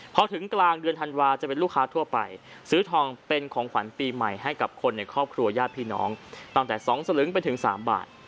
พอถึงกลางเดือนธันวาจะเป็นลูกค้าทั่วไปซื้อทองเป็นของขวัญปีใหม่ให้กับคนในครอบครัวญาติพี่น้องตั้งแต่๒สลึงไปถึง๓บาท